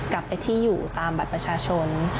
กลับไปที่อยู่ตามบัตรประชาชน